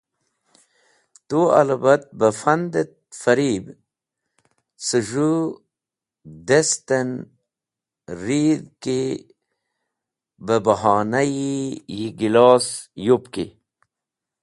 Tu alabat beh fand et farib cẽ z̃hũ dest en redh ki beh bahona-e yi gilos yupki.